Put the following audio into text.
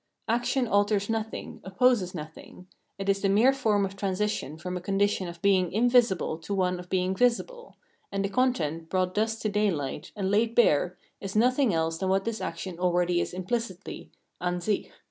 Action alters nothing, opposes nothing ; it is the mere form of transition from a condition of being invisible to one of being visible, and the content, brought thus to daylight, and laid bare, is nothing else than what this action already is imphcitly {an sich).